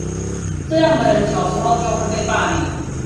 這樣的人小時候就會被霸凌